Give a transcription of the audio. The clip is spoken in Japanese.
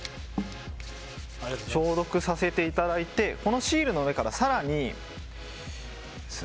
消毒させていただいてこのシールの上から、さらに。